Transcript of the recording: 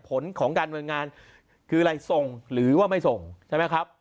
ผลของการดำเนินการคืออะไรทรงหรือว่าไม่ทรงใช่ไหมครับ